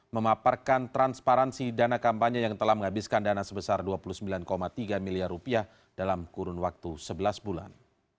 memaparkan transparansi dana kampanye yang telah menghabiskan dana sebesar dua puluh sembilan tiga miliar rupiah dalam kurun waktu sebelas bulan